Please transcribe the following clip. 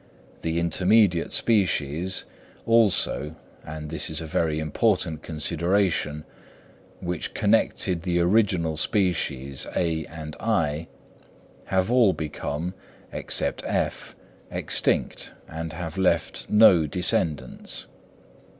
The intermediate species, also (and this is a very important consideration), which connected the original species (A) and (I), have all become, except (F), extinct, and have left no descendants.